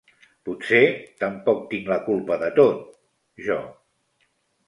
Potser tampoc tinc la culpa de tot, jo.